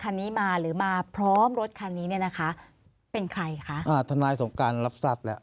คันนี้มาหรือมาพร้อมรถคันนี้เนี่ยนะคะเป็นใครคะอ่าทนายสงการรับทราบแล้ว